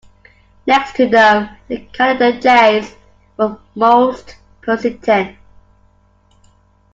Next to them the Canada jays were most persistent.